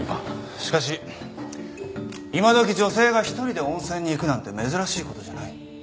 しかし今時女性が１人で温泉に行くなんて珍しい事じゃない。